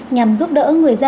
nhằm giúp đỡ người dân